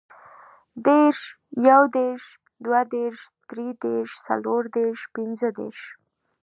دېرس, یودېرس, دودېرس, درودېرس, څلوردېرس, پنځهدېرس